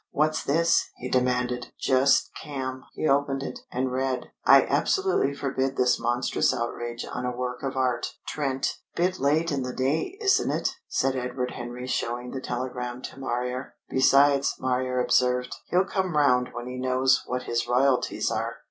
"What's this?" he demanded. "Just cam." He opened it, and read: "I absolutely forbid this monstrous outrage on a work of art. Trent." "Bit late in the day, isn't he?" said Edward Henry, showing the telegram to Marrier. "Besides," Marrier observed, "he'll come round when he knows what his royalties are."